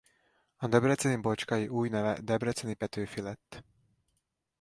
A Debreceni Bocskai új neve Debreceni Petőfi lett.